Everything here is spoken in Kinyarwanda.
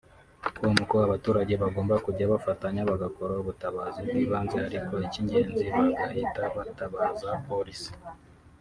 com ko abaturage bagomba kujya bafatanya bagakora ubutabazi bw’ibanze ariko icy'ingenzi bagahita batabaza polisi